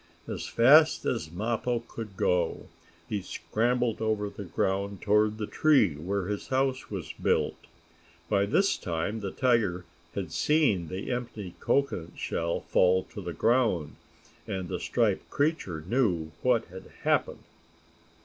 As fast as Mappo could go he scrambled over the ground toward the tree where his house was built. By this time the tiger had seen the empty cocoanut shell fall to the ground, and the striped creature knew what had happened.